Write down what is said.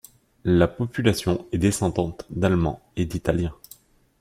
La population est descendante d'Allemands et d'Italiens.